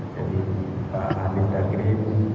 jadi pak hanif dhaniri